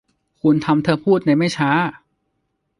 คุณทำเธอพูดในไม่ช้า